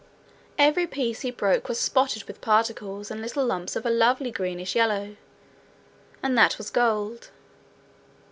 Every piece he broke was spotted with particles and little lumps of a lovely greenish yellow and that was gold.